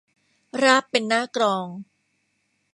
ราบเป็นหน้ากลอง